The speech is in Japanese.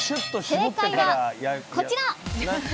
正解はこちら！